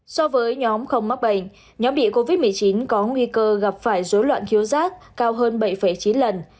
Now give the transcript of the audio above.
so với nhóm không mắc bệnh nhóm bị covid một mươi chín có nguy cơ gặp phải dối loạn thiếu rác cao hơn bảy chín lần